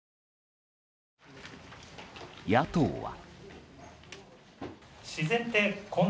野党は。